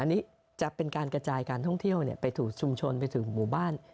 อันนี้จะเป็นการกระจายการท่องเที่ยวไปสู่ชุมชนไปถึงหมู่บ้าน